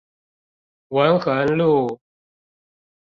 文橫路